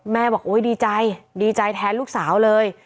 แม่บอกโอ้ยดีใจดีใจแทนลูกสาวเลย